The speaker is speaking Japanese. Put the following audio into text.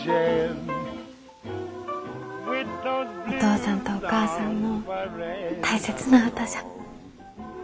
お父さんとお母さんの大切な歌じゃ。